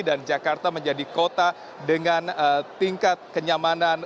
dan jakarta menjadi kota dengan tingkat kenyamanan